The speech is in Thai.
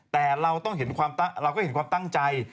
แต่เราก็เห็นความตั้งใจ